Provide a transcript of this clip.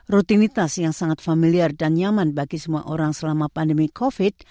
rutinitas yang sangat familiar dan nyaman bagi semua orang selama pandemi covid